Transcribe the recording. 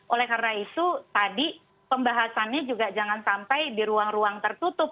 oleh karena itu tadi pembahasannya juga jangan sampai di ruang ruang tertutup